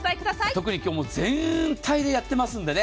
特に今日全体でやってますんでね。